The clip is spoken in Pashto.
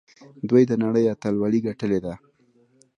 دوی د نړۍ اتلولي ګټلې ده.